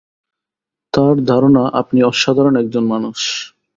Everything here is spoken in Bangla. তার ধারণা আপনি অসাধারণ একজন মানুষ।